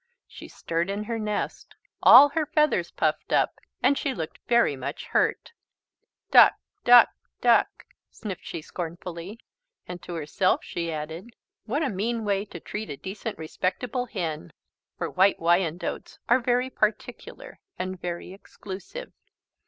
She stirred in her nest. All her feathers puffed up and she looked very much hurt. "Duck, duck, duck!" sniffed she scornfully. And to herself she added: "What a mean way to treat a decent, respectable hen!" For White Wyandottes are very particular and very exclusive.